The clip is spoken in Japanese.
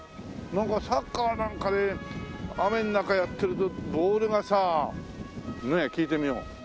なんかサッカーなんかで雨の中やってるとボールがさ。ねえ聞いてみよう。